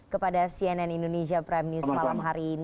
kepada cnn indonesia prime news malam hari ini